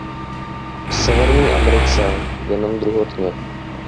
V Severní Americe jenom druhotně.